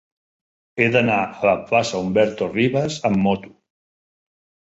He d'anar a la plaça d'Humberto Rivas amb moto.